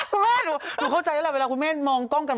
แม่หนูเข้าใจแล้วแหละเวลาคุณแม่มองกล้องกัน